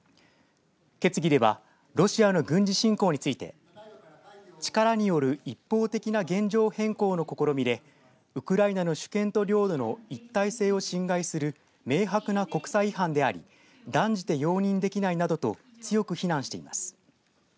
決議ではロシアの軍事侵攻について力による一方的な現状変更の試みでウクライナの主権と領土の一体性を侵害する明白な国際違反であり断じて容認できないなどと強く非難しています。